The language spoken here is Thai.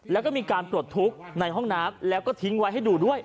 แล้วก็มีการปลดทุกข์ในห้องน้ำแล้วก็ทิ้งไว้ให้ดูด้วย